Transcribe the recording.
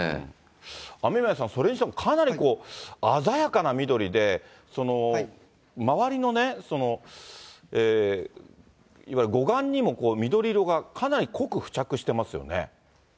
雨宮さん、それにしてもかなり鮮やかな緑で、周りのいわゆる護岸にも緑色がかなり濃く付着してますよね。